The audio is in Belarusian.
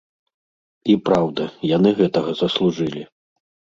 І праўда, яны гэтага заслужылі.